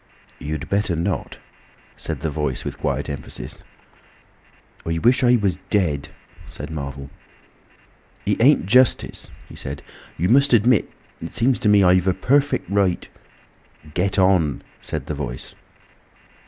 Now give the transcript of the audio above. "You'd better not," said the Voice, with quiet emphasis. "I wish I was dead," said Marvel. "It ain't justice," he said; "you must admit.... It seems to me I've a perfect right—" "Get on!" said the Voice.